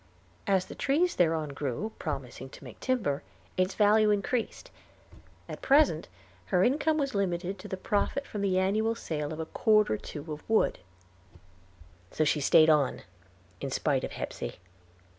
As the trees thereon grew, promising to make timber, its value increased; at present her income was limited to the profit from the annual sale of a cord or two of wood. So she staid on, in spite of Hepsey.